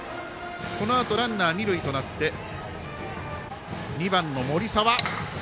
このあとランナー、二塁となって２番の森澤。